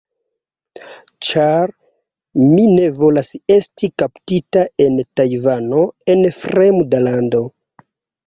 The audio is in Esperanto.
ĉar mi ne volas esti kaptita en Tajvano, en fremda lando